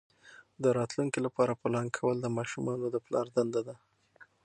د راتلونکي لپاره پلان کول د ماشومانو د پلار دنده ده.